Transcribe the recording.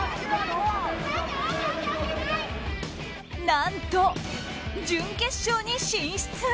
何と、準決勝に進出。